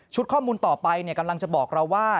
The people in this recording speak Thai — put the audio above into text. ข้อมูลต่อไปกำลังจะบอกเราว่า